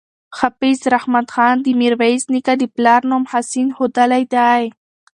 حافظ رحمت خان د میرویس نیکه د پلار نوم حسین ښودلی دی.